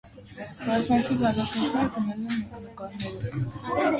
Բազմաթիվ հավաքորդներ գնել են նրա նկարները։